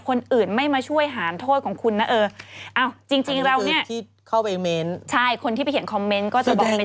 คนอื่นไม่มาช่วยหารโทษของคุณนะเออ